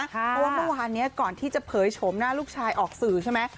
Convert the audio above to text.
เพราะว่าเมื่อวานนี้ก่อนที่จะเผยโฉมหน้าลูกชายออกสื่อใช่ไหม